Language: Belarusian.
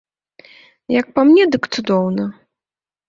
Як па мне, дык цудоўна.